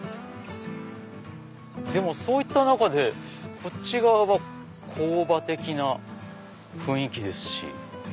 でもそういった中でこっち側は工場的な雰囲気ですし。